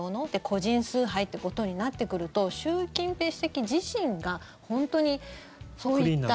個人崇拝ってことになってくると習近平主席自身が本当にそういった。